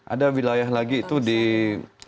ada wilayah lagi itu di